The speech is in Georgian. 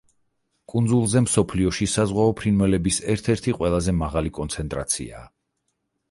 კუნძულზე მსოფლიოში საზღვაო ფრინველების ერთ-ერთი ყველაზე მაღალი კონცენტრაციაა.